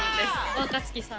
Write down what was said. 若槻さん。